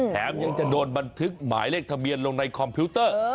แถมยังจะโดนบันทึกหมายเลขทะเบียนลงในคอมพิวเตอร์